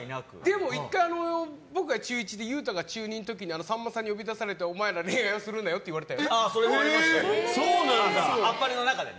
でも１回、僕が中１で裕太が中２の時にさんまさんに呼び出されてお前ら、恋愛はするなよって「あっぱれ」の中でね。